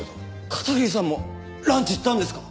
片桐さんもランチ行ったんですか？